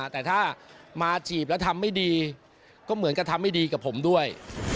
แต่ถ้ามาจีบแล้วทำไม่ดีก็เหมือนกับทำไม่ดีกับผมด้วย